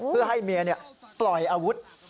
เพื่อให้เมียปล่อยอาวุธ